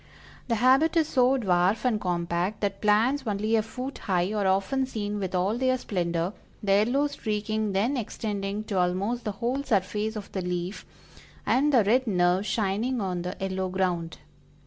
The habit is so dwarf and compact that plants only a foot high are often seen with all their splendor, the yellow streaking then extending to almost the whole surface of the leaf, and the red nerves shining on the yellow ground.